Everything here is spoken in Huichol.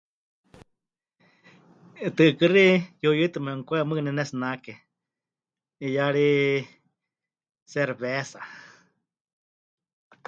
Tɨɨkɨ́xi yuuyuitɨ memɨkwaiwa mɨɨkɨ ne pɨnetsinake, 'iyá ri cerveza.